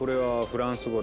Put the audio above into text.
フランス語？